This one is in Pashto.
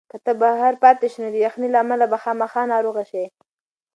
که ته بهر پاتې شې نو د یخنۍ له امله به خامخا ناروغه شې.